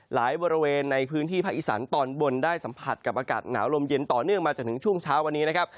บริเวณในพื้นที่ภาคอีสานตอนบนได้สัมผัสกับอากาศหนาวลมเย็นต่อเนื่องมาจนถึงช่วงเช้าวันนี้นะครับ